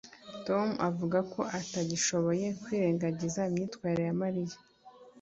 tom avuga ko atagishoboye kwirengagiza imyitwarire ya mariya